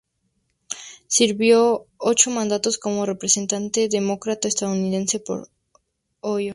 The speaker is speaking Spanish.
Sirvió ocho mandatos como Representante Demócrata estadounidense por Ohio.